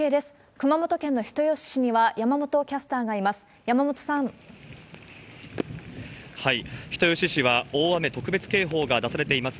熊本県の人吉市には山本キャスターがいます。